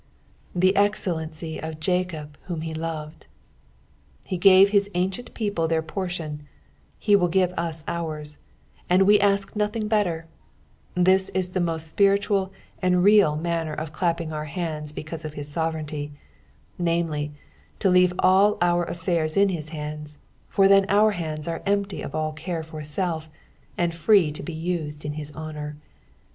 " The eaxelleney of Jacob tnhom he loved." He gave his ancient people their portion, he will give us ours, and we ask nothing better ; this is the most spiritual and real manner of clapping our hands because of his sovereignty, namely, to leave all our affairs in Ins hands, for then our hands are empty of all care for self, and free to be used in his honour.